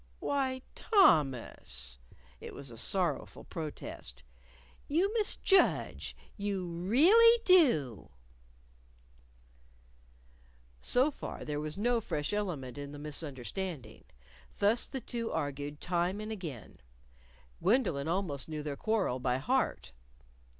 "Why, Thomas!" It was a sorrowful protest. "You misjudge, you really do." So far there was no fresh element in the misunderstanding. Thus the two argued time and again. Gwendolyn almost knew their quarrel by heart.